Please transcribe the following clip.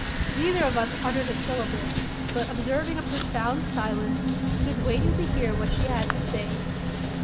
Neither of us uttered a syllable; but, observing a profound silence, stood waiting to hear what she had to say.